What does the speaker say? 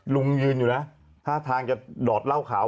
ลุงยืนอยู่นะท่าทางจะดอดเหล้าขาว